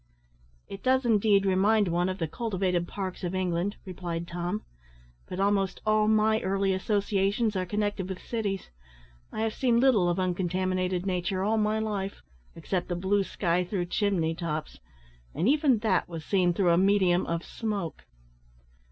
"It does indeed remind one of the cultivated parks of England," replied Tom; "but almost all my early associations are connected with cities. I have seen little of uncontaminated nature all my life, except the blue sky through chimney tops, and even that was seen through a medium of smoke."